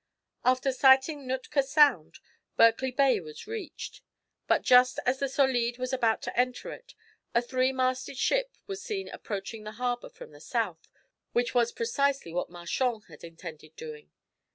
After sighting Nootka Sound, Berkley Bay was reached, but just as the Solide was about to enter it, a three masted ship was seen approaching the harbour from the south, which was precisely what Marchand had intended doing.